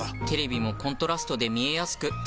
テレビもコントラストで見えやすく。